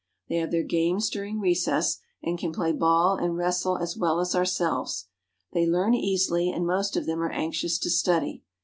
They have their games during recess and can play ball and wrestle as well as ourselves. They learn easily, and most of them are anxious to study.